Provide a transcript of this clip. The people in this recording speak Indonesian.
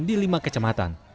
di lima kecematan